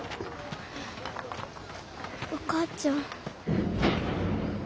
お母ちゃん。